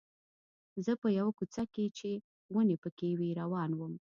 زه په یوه کوڅه کې چې ونې پکې وې روان وم.